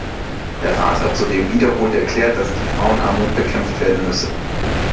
Der Rat hat zudem wiederholt erklärt, dass die Frauenarmut bekämpft werden müsse.